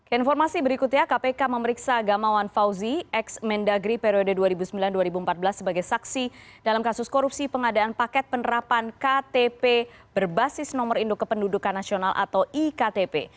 informasi berikutnya kpk memeriksa gamawan fauzi ex mendagri periode dua ribu sembilan dua ribu empat belas sebagai saksi dalam kasus korupsi pengadaan paket penerapan ktp berbasis nomor induk kependudukan nasional atau iktp